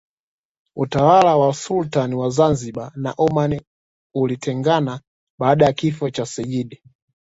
Utawala wa Sultan wa Zanzibar na Oman ulitengana baada ya kifo cha Seyyid